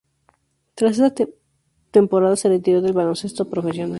Tras esta temporada se retiró del baloncesto profesional.